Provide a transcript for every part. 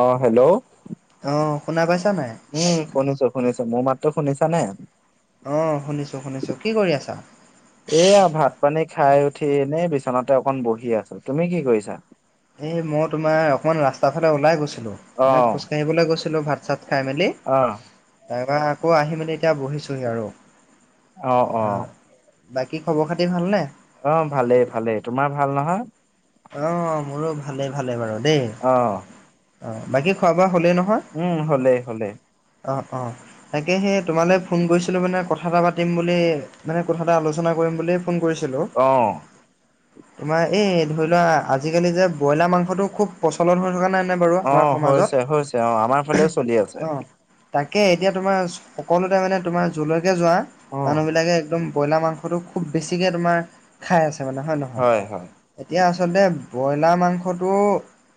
অ hello অ শুনা পাইছা নাই উম শুনিছো শুনিছো মোৰ মাতটো শুনিছা নাই অ শুনিছো শুনিছো কি কৰি আছা এয়া ভাত পানী খাই উঠি এনেই বিচনাতে অকন বহি আছো। তুমি কি কৰিছা? এই মই তোমাৰ অকণমান ৰাস্তাৰ ফালে ওলাই গৈছিলোঁ, অ মানে খোজকাঢ়িবলৈ গৈছিলোঁ ভাত চাত খাই মেলি, অ তাৰ পৰা আকৌ আহি মেলি এতিয়া বহিছোঁহি আৰু। অঁ অঁ। বাকী খবৰ খাতি ভালনে? অ, ভালেই, ভালেই। তোমাৰ ভাল নহয়? অ', মোৰো ভালে ভালে বাৰু দেই। অ', বাকী খোৱা বোৱা হ'লেই নহয়? উম হ'লেই হ'লেই অ', অ', তাকে সেই তোমালৈ ফোন কৰিছিলোঁ মানে কথা এটা পাতিম বুলি। মানে কথা এটা আলোচনা কৰিম বুলিয়ে ফোন কৰিছিলোঁ। অ'। তোমাৰ এই ধৰি লোৱা আজিকালি যে ব্ৰইলাৰ মাংসটো খুব প্ৰচলন হৈ থকা নাই নে বাৰু আমাৰ অঁ সমাজত হৈছে হৈছে অঁ, আমাৰ ফালেও চলি আছে। অ', তাকে এতিয়া তোমাৰ সকলোতে মানে তোমাৰ জৰলৈকে যোৱা অ মানুহবিলাকে একদম ব্ৰইলাৰ মাংসটো খুব বেছিকৈ তোমাৰ খাই আছে মানে হয় নহয়, এতিয়া আচলতে ব্ৰইলাৰ মাংসটো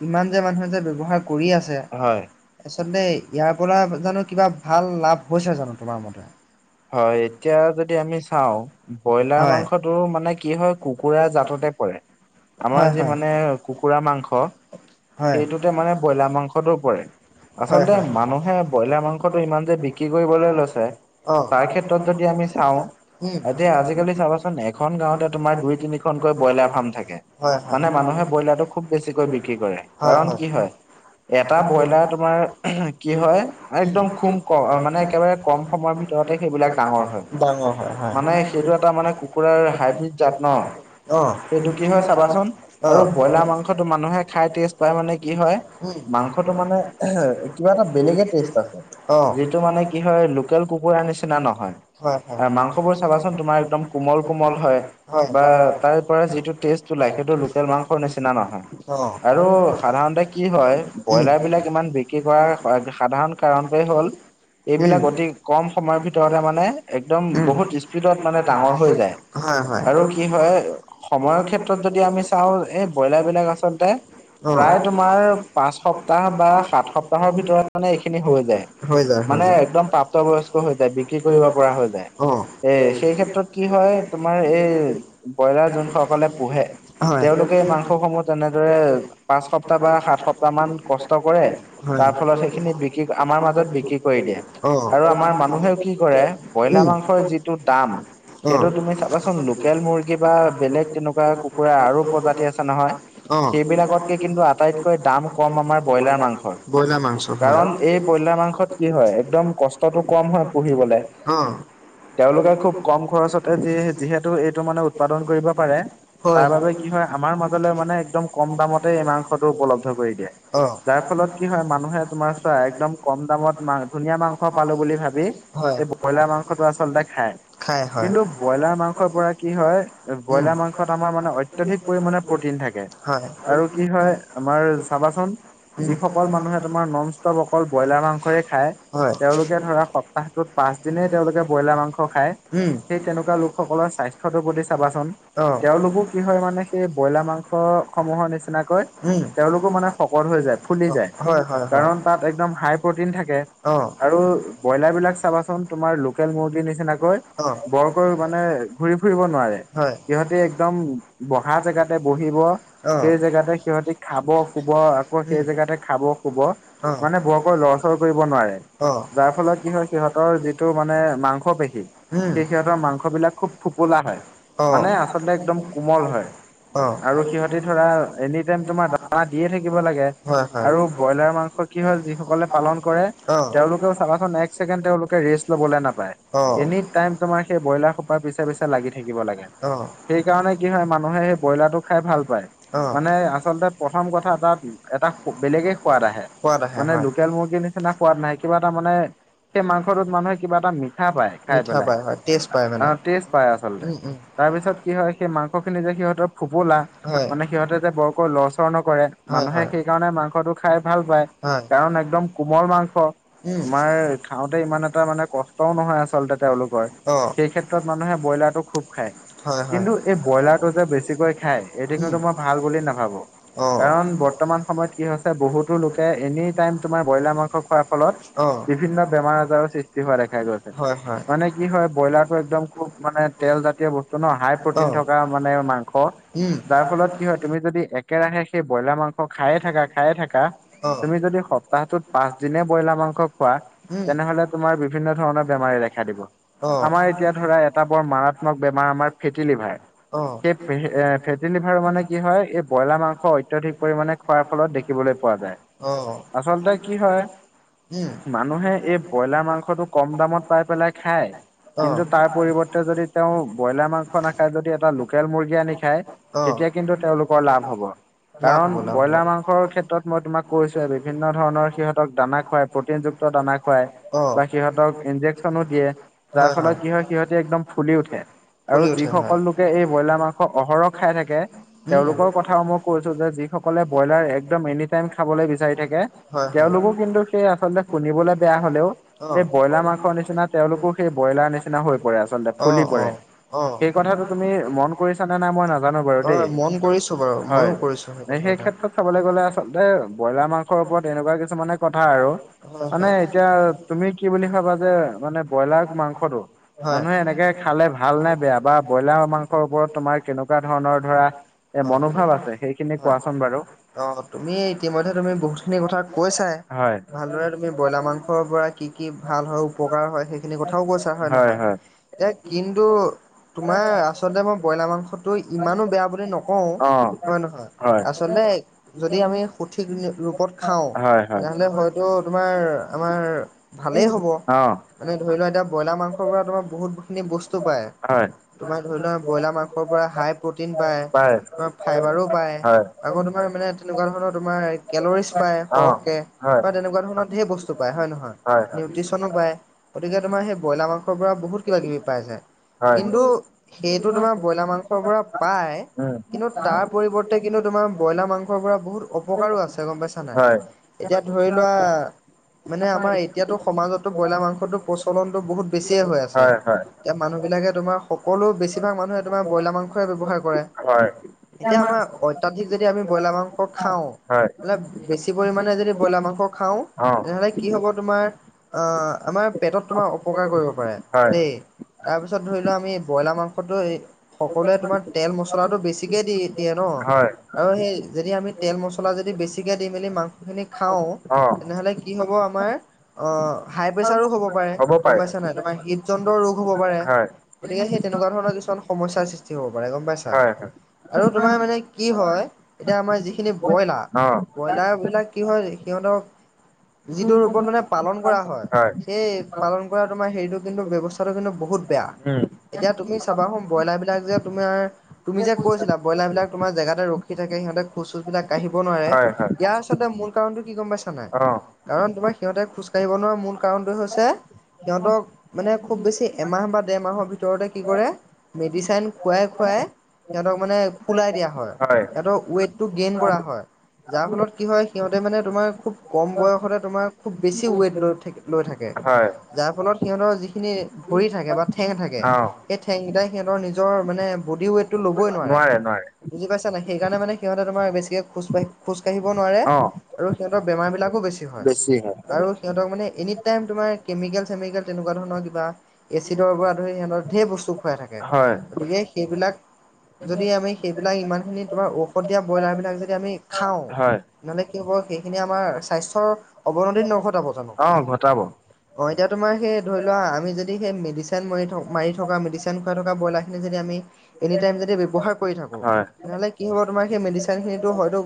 ইমান যে মানুহে যে ব্যৱহাৰ কৰি আছে। হয় আচলতে ইয়াৰ পৰা জানো কিবা ভাল লাভ হৈছে জানো তোমাৰ মতে? হয়, এতিয়া যদি আমি চাওঁ ব্ৰইলাৰ হয়, মাংসত তোৰ মানে কি হয় কুকুৰা জাততে পৰে। আমাৰ হয়, আজি হয়, মানে কুকুৰা মাংস, হয়, সেইটোতে মানে ব্ৰইলাৰ মাংসটোও পৰে। হয়, আচলতে হয়, মানুহে ব্ৰইলাৰ মাংসটো ইমান যে বিক্ৰী কৰিবলৈ লৈছে। অ', তাৰ ক্ষেত্ৰত যদি আমি চাওঁ, উম, এতিয়া আজিকালি চাবাচোন এখন গাওঁতে তোমাৰ দুই তিনি একোখনকৈ ব্ৰইলাৰ ফাৰ্ম থাকে। হয় হয়, মানে মানুহে ব্ৰইলাৰটো খুব বেছিকৈ বিক্ৰী কৰে হয় কাৰণ হয়। কি এটা ব্ৰইলাৰ [unintelligible] কি উম হয় একদম খুম ক মানে একেবাৰে কম সময়ৰ ভিতৰতে সেইবিলাক ডাঙৰ হয় [unintelligible] ডাঙৰ হয়, হয়। মানে সেইটো এটা মানে কুকুৰাৰ হাইব্ৰীড জাত ন অঁ। সেইটো কি হয় চাবাচোন আৰু ব্ৰইলাৰ মাংসটো মানুহে খাই অ, টেষ্ট পাই মানে কি হয় মাংসটো মানে উম। কিবা এটা বেলেগে টেষ্ট আছে। যিটো মানে অহঁ। কি হয় লোকেল কুকুৰাৰ নিচিনা নহয় হয় মাংসবোৰ চাবাচোন তোমাৰ একদম কোমল কোমল হয় হয়। বা তাৰ পৰা যিটো টেষ্ট লাই সেটো লোকেল মাংসৰ নিচিনা নহয়, আৰু সাধাৰণতে কি হয় ব্ৰইলাৰ বিলাক ইমান বিক্ৰী কৰাৰ সাধাৰণ কাৰণটোৱে হ'ল এইবিলাক অতি কম সময় ভিতৰতে মানে একদম বহুত স্পীডত মানে ডাঙৰ হৈ যায়। হয় হয় আৰু কি হয় সময়ৰ ক্ষেত্ৰত তত যদি আমি চাওঁ, এই ব্ৰইলাৰ বিলাক আচলতে অ প্ৰায় তোমাৰ পাঁচ সপ্তাহ বা সাত সপ্তাহ সপ্তাহৰ ভিতৰত মানে এইখিনি হৈ যায়, হৈ যায় হৈ মানে যায় একদম প্ৰাপ্তবয়স্ক হৈ যায় বিক্ৰী কৰিব পৰা হৈ যায়। অ এ সেই ক্ষেত্ৰত কি হয়, তোমাৰ এই ব্ৰইলাৰ যোন সকলে পোহে হয়। তেওঁলোকে এই মাংসসমূহ তেনেদৰে পাঁচ সপ্তাহ বা সাত সপ্তাহ মান কষ্ট কৰে। হয়। তাৰ ফলত সেইখিনি বিক্ৰী ক আমাৰ মাজত বিক্ৰী কৰি দিয়ে অ'। আ আৰু আমাৰ মানুহেও কি কৰে, ব্ৰইলাৰ মাংসৰ যিটো দাম সেইটো তুমি চাবাচোন লোকেল মুৰ্গী বা বেলেগ তেনেকুৱা কুকুৰাৰ আৰু প্ৰজাতি আছে নহয়, অ', সেইবিলাকতকে কিন্তু আটাইতকৈ দাম কম আমাৰ ব্ৰইলাৰ মাংস। হয়। ব্ৰইলাৰ মাংস কাৰণ এই ব্ৰইলাৰ মাংসত কি হয়? একম কষ্টত টো কম হয় পঢ়িবলে, অ', তেওঁলোকে খুব কম খৰচতে যি যিহে টো এইটো মানে উৎপাদন কৰিব পাৰে হয়। তাৰ বাবে কি হয়? আমাৰ মাজলৈ মানে একদম কম দামতে এই মাংসটো উপলব্ধ কৰি দিয়ে। যায়। অ'। যাৰ ফলত কি হয় মানুহে তোমাৰ চোৱা, একদম কম দামত মা ধুনীয়া মাংস পা পালোঁ বুলি ভাবি হয়। এই ব্ৰইলাৰ মাংসটো আচলতে খায় খাই হয়। কিন্তু ব্ৰইলাৰ মাংসৰ পৰা কি হয় এই উম। ব্ৰইলাৰ মাংসত আমাৰ মানে অত্যাধিক পৰিমাণে প্ৰটিন থাকে হয়, আৰু কি হয় আমাৰ চাবাচোন উম। যিসকল মানুহে তোমাৰ নন ষ্টপ অকল ব্ৰইলাৰ মাংসই খায় হয়, তেওঁলোকে ধৰা সপ্তাহটোত পাচ দিনেই তেওঁলোকে ব্ৰইলাৰ মাংস খায় উম, সেই তেনেকুৱা লোকসকলৰ স্বাস্থ্যটোৰ প্ৰতি চাবাচোন? অ', তেওঁলোকো কি হয় মানে সেই ব্ৰইলাৰ মাংসসমূহৰ নিচিনাকৈ উম। তেওঁলোকো মানে শকত হৈ যায়, ফুলি যায় হয়, হয়, হয়। কাৰণ তাত একদম হাই প্ৰটিন থাকে অ', আৰু ব্ৰইলাৰবিলাক চাবাচোন তোমাৰ লোকেল মুৰ্গিৰ নিচিনাকৈ অ', বৰকৈ মানে ঘুৰি ফুৰিব নোৱাৰে, হয়, সিহঁতে এক দম বহা জেগাতে বহিব অ'। সেই জেগাতে সিহতি খাব, শুব আ ব উম, সেই জেগাতে খাব, শুব অ', মানে বৰকৈ লৰচৰ কৰিব নোৱাৰে। অ', যাৰ ফলত কি হয় সিহঁতৰ যিটো মানে মাংসপেশী উম। সেই সিহঁতৰ মাংসবিলাক খুব ফোপোলা হয়। মানে আ চলতে একদম কোমল হয় অ', অ'। আৰু সিহঁতি ধৰা এনি টাইম তোমাৰ দানা দিয়ে থাকিব লাগে। হয় হয়। আৰু ব্ৰইলাৰ মাংস কি হয় যিসকলে পালন কৰে অ'। তেওঁলোকেও চাবাচোন এক্স ছেকেণ্ড তেওঁলোকে ৰেচ লবলৈ নাপায়। অ'। এনিটাইম তোমাৰ সেই ব্ৰইলাৰ সোপাৰ পিছে - পিছে লাগি থাকিব লাগে। অ', সেইকাৰণে কি হয় মানুহে সেই ব্ৰইলাৰটো খাই ভাল পায়। অ'। মানে আচলতে প্ৰথম কথা এটা - এটা সো বেলেগে সোৱাদ আহে। সোৱাদ আহে মানে হয়, লোকেল মুৰ্গীৰ নিচিনা সোৱাদ নাই, কিবা এটা মানে সেই মাংসটোত মানুহে কিবা এটা মিঠা পায় খাই মিঠা পেলাই পায় হয়, টেষ্ট পায় আ মানে। আহ টেষ্ট পায় আচলতে। উম, উম, তাৰ পিছত কি হয় সেই মাংসখিনি যে সিহঁতৰ ফোপোলা হয়। মানে সিহঁতে যে বৰকৈ লৰচৰ নকৰে, হয়, মানুহে হয়, হয়। সেইকাৰণে মাংসটো খাই ভাল পায়। কাৰণ একদম কোমল মাং স, উম। তোমাৰ খাওঁতে ইমান এটা মানে কষ্টও নহয় আচলতে তেওঁলোকৰ অ', সেই ক্ষে ত্ৰত মানুহে ব্ৰইলাৰটো খুব খায়। হয়, হয়, কিন্তু এই ব্ৰইলাৰটো যে বেছিকৈ খায় এইটো উম, কিন্তু মই ভাল বুলি নাভাবো। কাৰণ অ'। বৰ্তমান সময়ত কি হৈছে? বহুতো লোকে এনি টাইম তোমাৰ ব্ৰইলাৰ মাংস খোৱাত ফলত অ', বিভিন্ন বেমাৰ - আজাৰৰ সৃষ্টি হোৱা দেখা গৈছে হয়, হয়, মানে কি হয় হে ব্ৰইলাৰটো একদম খুব মানে তেল জাতীয় বস্তু ন, হাই প্ৰটিন অ', থকা মানে মাংস উম, যাৰ ফলত কি হয় তুমি যদি এক একেৰাহে সেই ব্ৰইলাৰ মাংস খায়ে থাকা খায়ে থাকা, অ', তুমি যদি সপ্তাহটোত পাঁচ দিনে ব্ৰইলাৰ মাংস খোৱা উম, তেনেহলে তোমাৰ বিভিন্ন ধৰণৰ বেমাৰে দেখা দিব, অ', আমাৰ এতিয়া ধৰ তাৰ এটা বৰ মাৰাত্মক বেমাৰ আমাৰ ফেটি লিভাৰ অ', সেই ফে এ ফেটি লিভাৰ মানে কি হয়? এই ব্ৰইলাৰ মাংস অত্যাধিক পৰিমাণে খোৱাৰ ফলত দেখিবলৈ পোৱা যায়। অ। আচলতে কি হয় উম, মানুহে এই ব্ৰইলাৰ মাংসটো কম দামত পাই পেলাই খায় কিন্তু অ', তাৰ পৰিৱৰ্তে যদি তেওঁ ব্ৰইলাৰ মাংস নাখায় যদি এটা লোকেল মুৰ্গী আনি খায় অ', তেতিয়া কিন্তু তেওঁলোকৰ লাভ হব। লাভ কাৰণ হ'ব, লাভ হ'ব, ব্ৰইলাৰ মাংসৰ ক্ষেত্ৰত মই তোমাক কৈছো বিভিন্ন ধৰণৰ সিহঁতক দানা। খাৱাই প্ৰটিনযুক্ত দানা খোৱাই। অ', বা সিহঁতক ইন্জেকচনো দিয়ে যাৰ ফলত কি হয় সিহঁতে একদম ফুলি উঠে। ফুলি আৰু উঠে হয়, যিসকল লোকে এই ব্ৰইলাৰ মাংস অহৰহ। খাই থাকে উম, তেওঁলোকৰ কথাও মই কৈছো যে যি সক সকলে ব্ৰইলাৰ একদম এনি টাইম খাবলৈ বিচাৰি থাকে হয়, হয়, তেওঁলোকো কিন্তু। সেই আচলতে শুনিবলে বেয়া হলেও। অ', এই ব্ৰইলাৰ মাংসৰ নিচিনা তেওঁলোকো সেই ব্ৰইলাৰ নিচিনা হৈ পৰে আচলতে ফুলি অ', পৰে। অ', সেই কথাটো তুমি মন কৰিছা নে নাই মই নাজানো বাৰু অ। দেই হয় মন কৰিছো বাৰু হয়। মইয়ো কৰিছো সেই কথা এটা। চাবলৈ গ'লে আচলতে ব্ৰইলাৰ মাংসৰ ওপৰত এনেকুৱা কিছুমানে কথা আৰু হয়, মানে হয়, এতিয়া- তুমি কি বুলি খাবা যে মানে ব্ৰইলাৰ মাংসতটো হয়, মানুহে এনেকে খালে ভাল। ভাল নে বেয়া বা ব্ৰইলাৰ মাংসৰ ওপৰত তোমাৰ কেনেকুৱা ধৰণৰ ধৰা। এ অ', মনোভাৱ আছে সেইখিনি হয়। কোৱাচোন বাৰু। তুমি ইতিমধ্যে তুমি বহুতখিনি কথা কৈ চাই হয় ভালদৰে তুমি ব্ৰইলাৰ মাংসৰ পৰা কি কি ভাল হয় উপকাৰ হয় সেই খখিনি কথাও কৈছা হয় নহয় এ কিন্তু তোমাৰ আচলতে মই ব্ৰইলাৰ মাংসটো ইমানো বেয়া বুলি নকওঁ। অ হয় নহয় আচলতে হয়। যদি আমি সঠিক ৰূপত খাওঁ। হয় হয়। তটো তোমাৰ আমাৰ ভালেই হ'ব। অ এনে ধৰি লোৱা এতিয়া ব্ৰইলাৰ মাংসৰ পৰা তোমাৰ বহুতখিনি বস্তু পায়। হয় তোমাৰ ধৰি লোৱা ব্ৰইলাৰ মাংসৰ পৰা হাই প্ৰটিন পায় তোমাৰ ফাইবাৰো পায়। হয়। আকৌ তোমাৰ মানে তেনেকুৱা ধৰণৰ তোমাৰ কেলৰিজ পায় অ সৰহকে হয় বা তেনেকুৱা ধৰণৰ ধেৰ বস্তু পায় হয় হয় হয়। নহয়। নিউট্ৰিচনো পায় গতিকে তোমাৰ সেই ব্ৰইলাৰ মাংসৰ পৰা বহুত কিবা কিবি পাই যায়। হয়। কিন্তু সেইটো তোমাৰ ব্ৰইলাৰ মাংসৰ পৰা পাই। উম কিন্তু তাৰ পৰিৱৰ্তে কিন্তু তোমাৰ ব্ৰইলাৰ মাংস মাংস পৰা বহুত অপকাৰো আছে গম পাইছা নে হয় এতিয়া ধৰি লোৱা মানে আমাৰ এই এতিয়াতো সমাজতো ব্ৰইলাৰ মাংসটো প্ৰচলনতো বহুত বেছিয়ে হৈ আছে হয় হয় এতিয়া মানুহ বিলাকে তোমাৰ সকলো বেছিভাগ মানুহে তোমাৰ ব্ৰইলাৰ মাংসৰে ব্যৱহাৰ কৰে হয় এতিয়া আমাৰ অত্যাধিক যদি আমি ব্ৰইলাৰ মাংস খাওঁ। হয়। মে বেছি পৰিমাণে যদি ব্ৰইলাৰ মাংস খাওঁ অ। তেনেহ'লে কি হ'ব তোমাৰ আহ আমাৰ পেটত তোমাৰ অপকাৰ কৰিব পাৰে হয়। দেই। তাৰপিছত ধৰি লোৱা আমি ব্ৰইলাৰ মাংসটো এই সকলোৱে তোমাৰ তেল মছলাটো বেছিকে দি দিয়ে ন হয়, আৰু সেই যদি আমি তেল মছলা যদি বেছিকে দি মেলি মাংসখিনি খাওঁ অ। তেনেহ'লে কি হ'ব আমাৰ অ হাই প্ৰেছাৰো হ'ব পাৰে গম পাইছা নাই তোমাৰ হৃদযন্ত্ৰ ৰোগ হ'ব পাৰে। হয়, গতিকে সেই তেনেকুৱা ধণৰ কিছু সমস্যাৰ সৃষ্টি হব পাৰে গম পাইছা। হয়, হয়। আৰু তোমাৰ মানে কি হয়। এতিয়া আমাৰ যিখিনি ব্ৰইলা অ। ব্ৰইলাৰ বিলাক কি হয় সিহঁতক যিটো ৰূপত মানে পালন কৰা হয় সেই পালন কৰা তোমাৰ হেৰিটো কিন্তু ব্যৱস্থাটো কিন্তু বহুত বেয়া এতিয়া তুমি চাবা হোন ব্ৰইলাৰ বিলাক যে তোমাৰ তুমি যে কৈছিলা ব্ৰইলাৰ বিলাক তোমাৰ জেগাতে ৰখি থাকে সিহঁতে খোজ চোজবিলাক কাঢিব নোৱাৰে উম। হয় হয়। ইয়াৰ আচলতে মূল কাৰণটো কি গম পাইছা নাই। অ', কাৰণ তোমাৰ সিহঁতে খোজ কঢ়িব নোৱাৰা মূল কাৰণটোৱে হৈছে সিহঁতক মানে খুব বেছি এমাহ বা দেৰমাহৰ ভিত তৰতে কি কৰে মেডিচাইন খুৱাই খুৱাই সিহঁতক মানে ফুলাই দিয়া হয়। সিহঁতৰ ৱেইটটো গেইন কৰা হয় যাৰ ফলত কি হয় সিহঁতে মানে তোমাৰ খুব কম বয়সতে তোমাৰ খুব বেছি ৱেইট লৈ লৈ থাকে। হয়। যাৰ ফলত সিহঁতৰ যিখিনি ভৰি থাকে বা ঠেং থাকে। অ'। সেই ঠেংকেইটাই সিহঁতৰ নিজৰ মানে বডি ৱট টো ল'বই নোৱাৰে বুজি পাইছ। সেইকাৰণে মানে সিহঁতে তোমাৰ বেছিকে খোজ কাঢ়ি খোজ কঢ়িব নোৱাৰে অ', আৰু সিহঁতৰ বেমাৰ বিলাকো বেছি বেছি হয় আৰু সিহঁতক মানে এনিটাইম কেমিকেল চমিকেল তেনেকুৱা ধৰণৰ কিবা এচিডৰ পৰা ধৰি সিহঁতৰ ঢেৰ বস্তু খুৱাই থাকে হয় গতিকে সেইবিলাক যদি আমি সেইবিলাক ইমানখিনি তোমাৰ ঔষধিয়া ব্ৰইলাৰ বিলাক যদি আমি খাওঁ, হয়। নহ'লে কি হব সেইখিনি আমাৰ স্বাস্থ্যৰ অৱনতি নঘটাব জানো। অ', ঘটাব। অ এতিয়া তোমাৰ সেই ধৰি লোৱা আমি যদি সেই মেডিচাইন ম মাৰি থকা মেডিচন খুৱাই থকা ব্ৰইলাৰখিনি যদি আমি এনি টাইম যদি ব্যৱহাৰ কৰি থাকোঁ হয়। তেনেহ'লে কি হ'ব তোমাৰ সেই মেডিচাইনখিনিতো হয়তো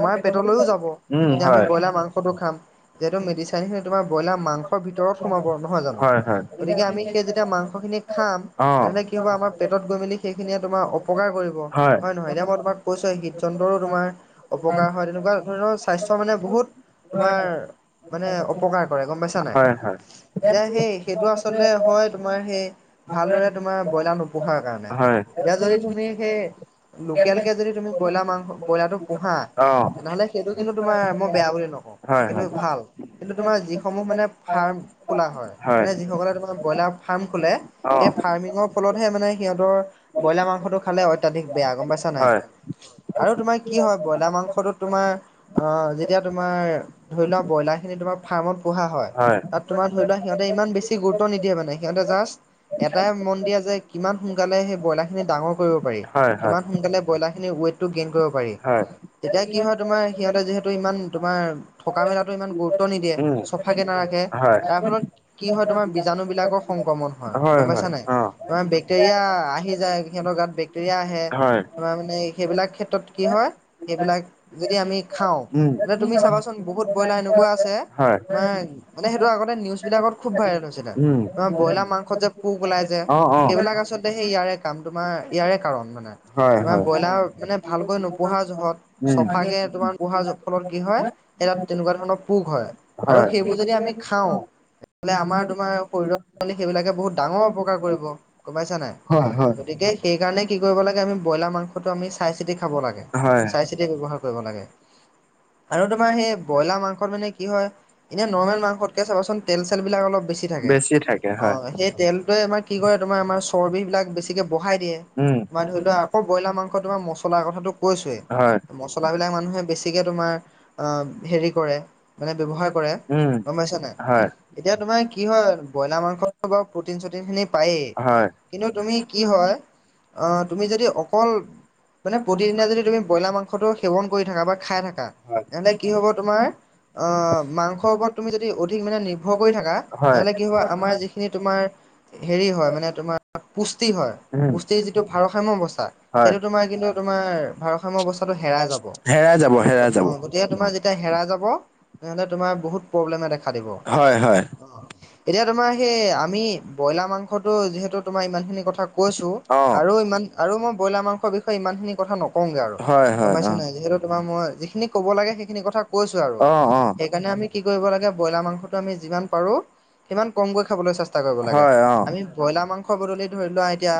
আমাৰ পেটলৈও যাব উম যেতিয়া আমি হয়। ব্ৰইলাৰ মাংসটো খাম। যিহেতু মেডিচাইনখিনি তোমাৰ বইলাৰ মাংসৰ ভিতৰত সোমাব নহয় জানো হয় হয়। গতিকে আমি সেই যেতিয়া মাংস খিনি খাম অ'। তেনেহলে কি হ'ব আমাৰ পেটত গৈ মেলি সেইখিনিয়ে তোমাৰ অপকাৰ কৰিব হয় নহয় এতিয়া মই তোমাৰ চ হৃদযন্ত্ৰৰো তোমাৰ অপকাৰ হয় তেনেকুৱা ধৰণৰ স্বাস্থ্য মানে বহুত তোমাৰ মানে অপকাৰ কৰে গম পাইছা নাই হয় হয় এতিয়া সেই সেইটো আচলতে হয় তোমাৰ সেই ভালদৰে তোমাৰ ব্ৰইলাৰ নো পোহাৰ কাৰণে হয় এতিয়া যদি তুমি সেই লোকেল তুমি ব্ৰইলাৰ মাংস ব্ৰইলাৰ টো পোহা অ'। তেনেহ'লে সেইটো কিন্তু তোমাৰ মই বেয়া বুলি নকওঁ হয় সেইটো হয়। ভাল কিন্তু তোমাৰ যিসমূহ মানে ফাৰ্ম খোলা হয় মনে যিসকলে তাৰমানে ব্ৰইলাৰ ফাৰ্ম খোলে অ'। এই ফাৰ্মিঙৰ ফলতহে মানে সিহঁতৰ ব্ৰইলাৰ মাংসটো খালে অত্যাধিক বেয়া গম পাইছা নাই। হয়। আৰু তোমাৰ কি হয় ব্ৰইলাৰ মাংসটোত তোমাৰ অ যেতিয়া তোমাৰ ধৰি লোৱা ব্ৰইলাৰ খিনি তোমাৰ ফাৰ্মত পোহা হয় তাত তোমাৰ ধৰি লোৱা সিহঁতে ইমান বেছি গুৰুত্ব নিদিয়ে মানে সিহঁতে জাষ্ট এটাই মন দিয়া যে কিমান সোনকালে সেই ব্ৰইলাৰ খিনি ডাঙৰ কৰিব পাৰি হয়, হয়। কিমান সোনকালে ব্ৰইলাৰ খিনি ৱেট টো গেইন কৰিব পাৰি হয়। তেতিয়া কি হয় তোমাৰ সিহঁতে যিহেতু ইমান তোমাৰ থকা মেলাটো ইমান গুৰুত্ব নিদিয়ে উম, চফাকে নাৰাখে খে হয়। তাৰ ফলত কি হয় তোমাৰ বীজাণু বিলাকৰ সংক্ৰমণ হয় গম হয় পাইছা নাই। অ তোমাৰ বেক্টেৰিয়া আহি যায় সিহঁতৰ গাত বেক্টেৰিয়া আহে। হয় তোমাৰ মানে সেইবিলাক ক্ষেত্ৰত কি হয় সেইবিলাক যদি আমি খাওঁ উম তেনে তুমি চাবাচোন বহুত ব্ৰইলাৰ এনেকুৱা আছে হয় তোমাৰ মানে সেইটো আগতে নিউজ বিলাকত খুব ভাইৰেল হৈছে। উম তোমাৰ ব্ৰইলাৰ মাংসত যে পোক ওলাই যে অ অ সেইবিলাক আচলতে সেই ইয়াৰে কাম তোমাৰ ইয়াৰে কাৰণ মানে হয় তোমাৰ হয় ব্ৰইলাৰ মানে ভালকৈ নোপোহা জোহত উম হয় চফাকে তোমাৰ পোহা জোত ফলত কি হয় এ তাত তেনেকুৱা ধৰণৰ পোক হয়। আৰু সেইবোৰ যদি আমি খাওঁ তেনেহলে আমাৰ তোমাৰ শৰীৰত সেইবিলাকে বহুত ডাঙৰ অপকাৰ কৰিব গমপাইছা নে নাই হয় হয় গতিকে সেইকাৰণে কি কৰিব লাগে আমি ব্ৰইলাৰ মাংসটো আমি চাই চিতি খাব লাগে চাই চিতি হয় ব্যৱহাৰ কৰিব লাগে। আৰু তোমাৰ সেই ব্ৰইলাৰ মাংসত মানে কি হয়। এনে নৰ্মেল মাংসতকে চাবাচোন তেল চেল বিলাক অলপ বেছি থাকে। অঁ সেই তেলটোৱে আমাৰ কি কৰে তোমাৰ আমাৰ চৰ্ববিলাক বেছিককে বঢ়াই দিয়ে, উম, তোমাৰ ধৰি লোৱা আকৌ ব্ৰইলাৰ মাংস তোমাৰ মছলাৰ কথাটো কৈছোৱেই হয়, মচলাবিলাক মানুহে বেছিকে তোমাৰ হেৰি কৰে মানে ব্যৱহাৰ কৰে। উম, গম পাইছা নাই, হয়, এতিয়া তোমাৰ কি হয় ব্ৰইলাৰ মাংস বাৰু প্ৰটিন চটিন খিনি পায়ই, হয়। কিন্তু তুমি কি হয় অঁ তুমি যদি অক অকল মানে প্ৰতিদিনে যদি তুমি ব্ৰইলাৰ মাংসটো সেৱন কৰি থাকা বা খাই থাকা, হয়। এনে কি হব তোমাৰ অঁ মাংসৰ ওপৰত তুমি যদি অধিক মানে নিৰ্ভৰ কৰি থাকা। তেনেহ'লে কি হব আমাৰ যিখিনি তোমাৰ হেৰি হয় মানে তোমাৰ পুষ্টি হয়। উম, পুষ্টিৰ যিটো ভাৰসাম্য অৱস্থা হয়। সেইটো তোমাৰ কিন্তু তোমাৰ ভাৰসাম্য অৱস্থাটো হেৰাই যাব। হেৰাই যাব, হেৰাই যাব, গতিকে তোমাৰ যেতিয়া হেৰাই যাব, তেনেহ'লে তোমাৰ বহুত প্ৰব্লেমে দে খা দিব। হয়, হয়, এতিয়া তোমাৰ সেই আমি ব্ৰইলাৰ মাংসটো যিহেতু তোমাৰ ইমানখিনি কথা কৈছোঁ অ', আৰু ইমান আৰু মই ব্ৰইলাৰ মাংসৰ বিষয়ে ইমানখিনি কথা নক কওঁগে আৰু হয়, হয়, গমাইছা অ'। নাই যিহেতু তোমাৰ মই যিখিনি ক'ব লাগে, সেইখিনি কথা কৈছো আৰু অ', অ', সেইকাৰণে আমি কি কৰিব লাগে ব্ৰইলাৰ মাংসটো আমি যিমান পাৰোঁ সিমান কমকৈ খাবলৈ চেষ্টা কৰিব লাগে। হয়, অ', আমি ব্ৰইলাৰ মাংসৰ বদলি ধৰি লোৱা এতিয়া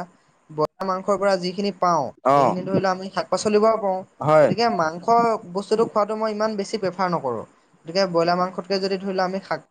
ব্ৰইলাৰ মাংসৰ পৰা যিখিনি পাওঁ, অ', সেইখিনি ধৰি লোৱা আমি শাক পাচলি পৰাও পাওঁ হয়। গতিকে মাংস বস্তুটো খোৱাটো মই ইমান বেছি প্ৰেফাৰ নকৰো। গতিকে ব্ৰলাৰ মাংসতকৈ যদি ধৰি লোৱা আমি শাক-